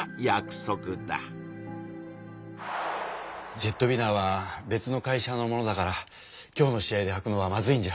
ジェットウィナーは別の会社のものだから今日の試合ではくのはまずいんじゃ？